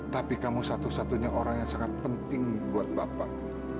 tapi kamu satu satunya orang yang sangat penting buat bapak